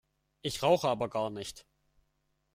Ich rauche aber gar nicht!